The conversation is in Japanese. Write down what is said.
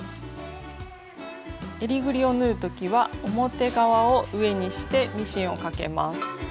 えりぐりを縫う時は表側を上にしてミシンをかけます。